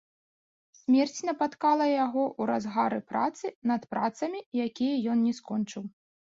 Смерць напаткала яго ў разгары працы над працамі, якія ён не скончыў.